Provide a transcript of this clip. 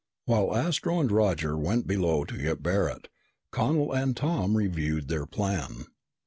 While Astro and Roger went below to get Barret, Connel and Tom reviewed their plan.